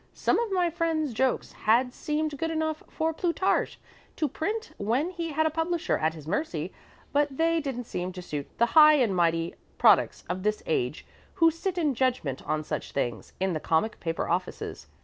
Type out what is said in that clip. Some of my friend's jokes had seemed good enough for Plutarch to print when he had a publisher at his mercy, but they didn't seem to suit the high and mighty products of this age who sit in judgment on such things in the comic paper offices.